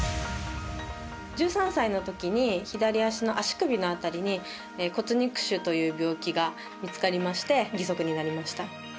１３歳のときに、左足の足首の辺りに骨肉腫という病気が見つかりまして義足になりました。